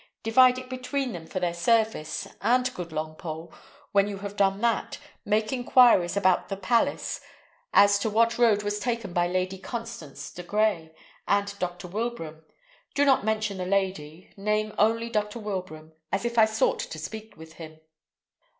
Divide it between them for their service; and, good Longpole, when you have done that, make inquiries about the palace as to what road was taken by Lady Constance de Grey and Dr. Wilbraham. Do not mention the lady; name only Dr. Wilbraham, as if I sought to speak with him."